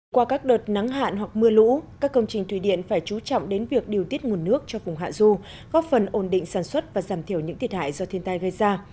qua các đợt nắng hạn hoặc mưa lũ các công trình thủy điện phải chú trọng đến việc điều tiết nguồn nước cho vùng hạ du góp phần ổn định sản xuất và giảm thiểu những thiệt hại do thiên tai gây ra